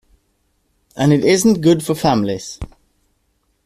And it isn't good for families".